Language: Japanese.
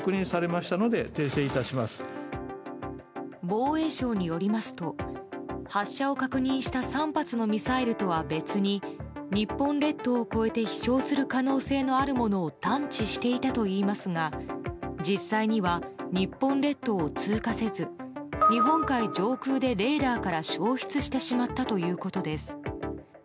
防衛省によりますと発射を確認した３発のミサイルとは別に日本列島を越えて飛翔する可能性のあるものを探知していたといいますが実際には、日本列島を通過せず日本海上空でレーダーから消失してしまったということです。